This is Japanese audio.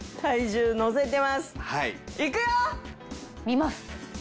見ます。